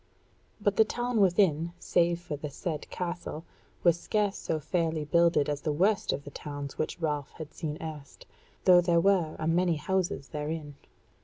But the town within, save for the said castle, was scarce so fairly builded as the worst of the towns which Ralph had seen erst, though there were a many houses therein.